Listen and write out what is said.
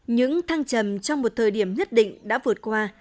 những thăng trầm trong một thời điểm nhất định đã vượt qua